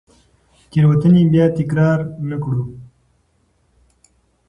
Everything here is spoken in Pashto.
تېروتنې بیا تکرار نه کړو.